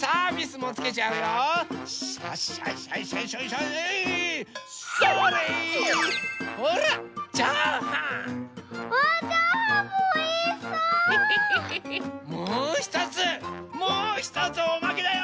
もうひとつもうひとつおまけだよ！